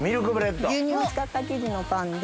牛乳を使った生地のパンで。